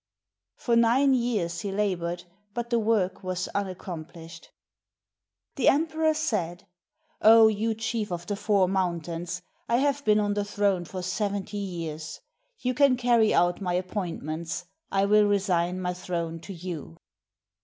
For nine years he labored, but the work was unaccomplished. The emperor said, "Oh! you chief of the four moun tains, I have been on the throne for seventy years. You can carry out my appointments; — I will resign my throne to you."